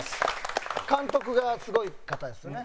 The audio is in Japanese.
監督がすごい方ですよね。